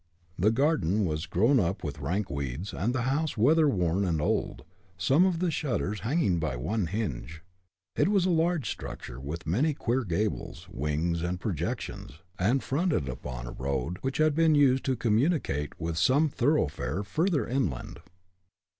The garden was grown up with rank weeds and the house weather worn and old, some of the shutters hanging by one hinge. It was a large structure of many queer gables, wings and projections, and fronted upon a road which had been used to communicate with some thoroughfare further inland.